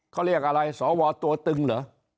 เขาเรียกอะไรสวตัวตึงเหรอ